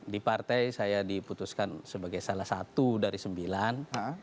di partai saya diputuskan sebagai salah satu dari sembilan